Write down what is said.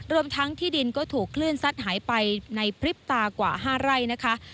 รวมทั้งที่ดินก็ถูกคลื่นซัดหายไปในพริบตากว่า๕ไร่นะคะ